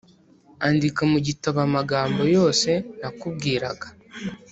Andika mu gitabo amagambo yose nakubwiraga